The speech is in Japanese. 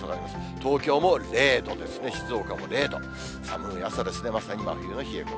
東京も０度ですね、静岡も０度、寒い朝ですね、まさに真冬の冷え込み。